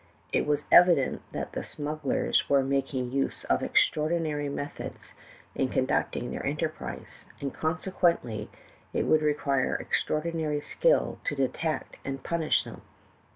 It was evident that the smugglers were making use of extraordinary methods in conducting their enterprise, and consequently it would require extraordinary skill to detect and punish them.